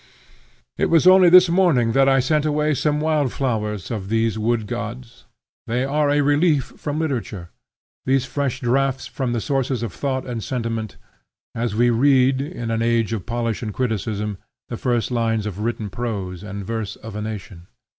It was only this morning that I sent away some wild flowers of these wood gods. They are a relief from literature, these fresh draughts from the sources of thought and sentiment; as we read, in an age of polish and criticism, the first lines of written prose and verse of a nation.